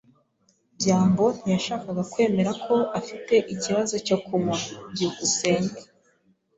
byambo ntiyashakaga kwemera ko afite ikibazo cyo kunywa. byukusenge